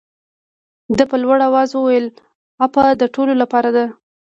ده په لوړ آواز وویل عفوه د ټولو لپاره ده.